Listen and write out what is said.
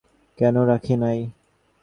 কেন রাখি নাই?